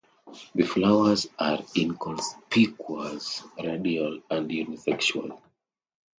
The flowers are inconspicuous, radial and unisexual.